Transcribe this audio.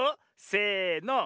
せの。